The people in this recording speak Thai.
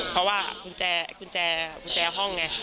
เพราะว่าคุณแจห้องไง